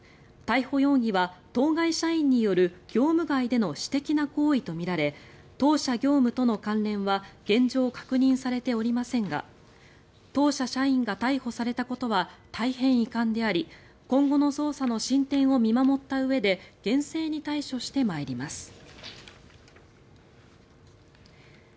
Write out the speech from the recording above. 逮捕容疑は当該社員による業務外での私的な行為とみられ当社業務との関連は現状、確認されておりませんが当社社員が逮捕されたことは大変遺憾であり今後の捜査の進展を見守ったうえで厳正に対処してまいります。